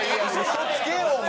嘘つけお前。